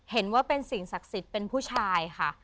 เห็นว่าเป็นสิ่งศักดิ์สิทธิ์เป็นผู้ชายค่ะ